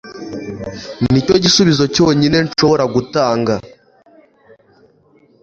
nicyo gisubizo cyonyine nshobora gutanga